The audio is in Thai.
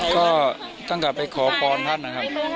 ก็ตั้งแต่ไปขอพรท่านนะครับ